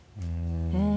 うん。